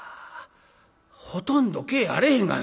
ほとんど毛あれへんがなあれ。